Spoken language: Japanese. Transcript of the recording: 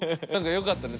よかったね